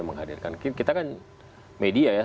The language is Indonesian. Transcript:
menghadirkan kita kan media ya